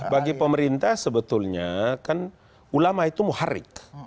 bagi pemerintah sebetulnya kan ulama itu muharik